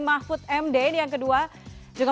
mahfud md yang kedua juga